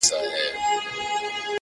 مرګ د زړو دی غم د ځوانانو،